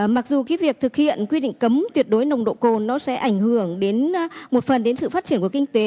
mặc dù cái việc thực hiện quy định cấm tuyệt đối nồng độ cồn nó sẽ ảnh hưởng đến một phần đến sự phát triển của kinh tế